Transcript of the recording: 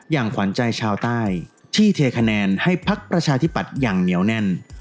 ขวัญใจชาวใต้ที่เทคะแนนให้พักประชาธิปัตย์อย่างเหนียวแน่น